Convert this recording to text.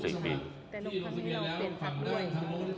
เปลี่ยนสีเสื้อ